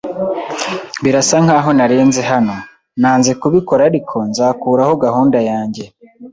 Birasa nkaho narenze hano. Nanze kubikora ariko nzakuraho gahunda yanjye.